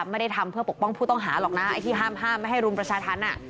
ไม่ได้ทำเพื่อปกป้องผู้ต้องหาหรอกนะไอ้ที่ห้ามห้ามไม่ให้รุมประชาธรรม